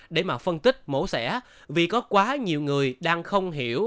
để mà phân tích mổ xẻ vì có quá nhiều người đang không hiểu